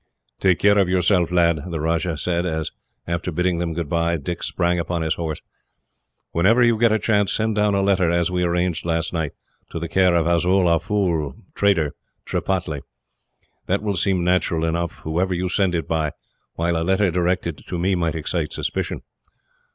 "Take care of yourself, lad," the Rajah said, as, after bidding them goodbye, Dick sprang upon his horse. "Whenever you get a chance, send down a letter as we arranged last night, to the care of Azol Afool, trader, Tripataly. That will seem natural enough, whoever you send it by, while a letter directed to me might excite suspicion.